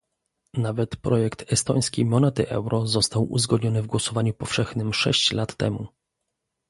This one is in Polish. Nawet projekt estońskiej monety euro został uzgodniony w głosowaniu powszechnym sześć lat temu